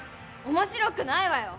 面白くないわよ！